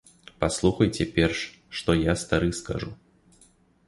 Паслухайце перш, што я стары скажу.